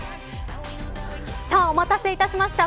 お待たせいたしました。